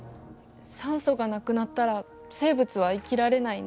酸素がなくなったら生物は生きられないね。